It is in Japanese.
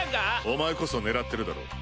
お前こそ狙ってるだろう？